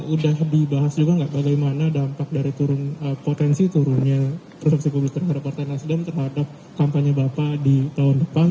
udah dibahas juga nggak bagaimana dampak dari turun potensi turunnya persepsi publik terhadap partai nasdem terhadap kampanye bapak di tahun depan